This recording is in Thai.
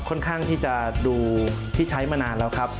ค่อนข้างที่จะดูที่ใช้มานานแล้วครับ